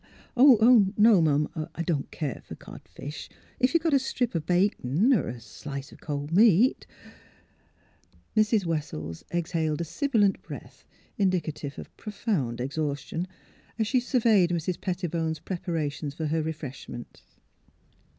— No'm, I don't care fer cod fish; if you've got a strip o' bacon or a slice o' cold meat " Mrs. Wessels exhaled a sibilant breath, indica tive of profound exhaustion, as she surveyed Mrs. Pettibone's preparations for her refreshment.